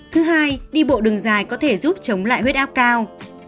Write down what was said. thứ hai đi bộ đường dài có thể giúp chống lại huyết áp cao